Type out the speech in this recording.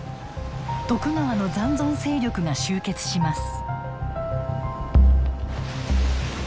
徳川の残存勢力が集結します。